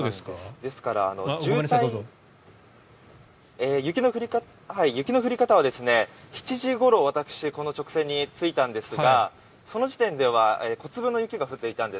ですから渋滞雪の降り方は７時ごろ私、この直線に着いたんですがその時点では小粒の雪が降っていたんです。